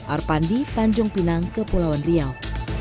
arpandi tanjung pinang kepulauan riau